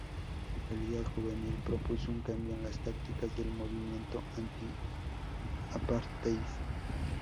La Liga Juvenil propuso un cambio en las tácticas del movimiento anti-apartheid.